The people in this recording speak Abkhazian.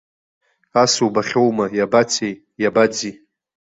Ас убахьоума, иабацеи, иабаӡи!